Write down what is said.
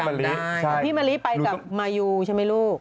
มะลิก็เหรอครับพี่มะลิไปกับมะยูใช่ไหมลูก